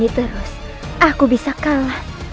terus aku bisa kalah